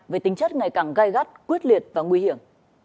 về tính chất ngày càng gai gắt quyết liệt và nguy hiểm